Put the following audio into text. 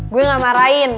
gue gak marahin